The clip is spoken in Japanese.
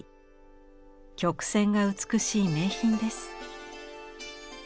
曲線が美しい名品です。